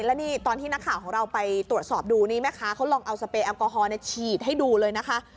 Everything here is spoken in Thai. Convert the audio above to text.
แล้วนี่ตอนที่นักข่าวของเราไปตรวจสอบดูนี่แม่ค้าเขาลองเอาสเปรยแอลกอฮอลฉีดให้ดูเลยนะคะ